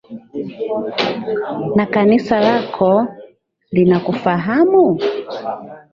Na kanisa lako, linakufahamu